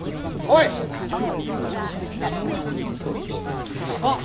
３枚でどうなるか分からないですね。